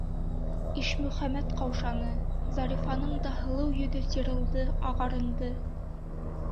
Ишмөхәмәт ҡаушаны, Зарифаның да һылыу йөҙө сирылды, ағарынды.